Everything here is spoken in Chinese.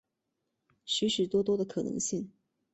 许许多多的可能性